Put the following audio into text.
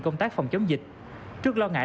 công tác phòng chống dịch trước lo ngại